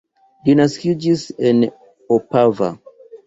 Li naskiĝis en Opava.